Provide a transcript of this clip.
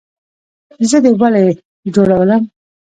زه دې ولۍ جوړولم؟